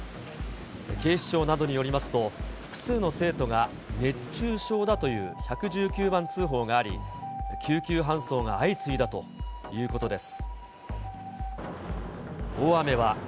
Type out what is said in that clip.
警視庁などによりますと、複数の生徒が熱中症だという１１９番通報があり、救急搬送が相次いだということです。